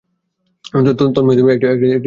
তন্মধ্যে, একটি সেঞ্চুরির সন্ধান পেয়েছিলেন তিনি।